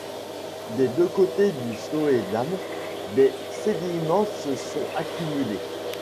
Des deux côtés du Sloedam, des sédiments se sont accumulés.